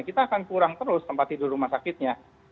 kita akan kurang terus tempat tidur rumah sakitnya